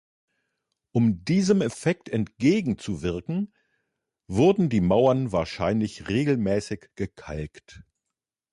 Um diesem Effekt entgegenzuwirken, wurden die Mauern wahrscheinlich regelmäßig gekalkt.